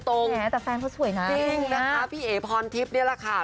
แต่แฟนเขาสวยนะจริงนะคะพี่เอ๋พรทิพย์นี่แหละค่ะ